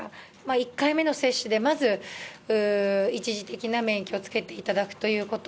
１回目の接種でまず、１次的な免疫をつけていただくということ。